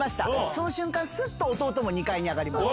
その瞬間、すっと弟も２階に上がります。